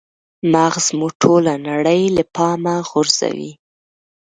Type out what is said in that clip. مغز مو ټوله نړۍ له پامه غورځوي.